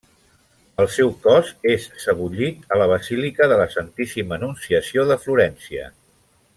El seu cos és sebollit a la basílica de la Santíssima Anunciació de Florència.